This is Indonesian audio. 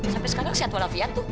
sampai sekarang siatu lafiat tuh